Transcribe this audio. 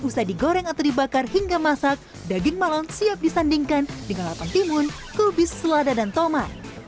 setelah digoreng atau dibakar hingga masak daging malon siap disandingkan dengan lapang timun kubis selada dan tomat